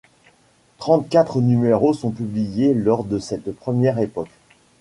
Trente-quatre numéros sont publiés lors de cette première époque.